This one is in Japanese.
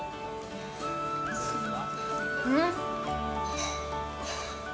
うん！